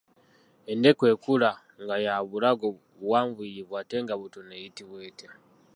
Endeku ekula nga ya bulago buwanvuuyirivu ate nga butono eyitibwa etya?